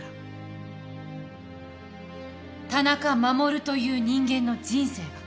田中守という人間の人生が。